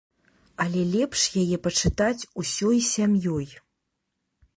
Але лепш яе пачытаць усёй сям'ёй.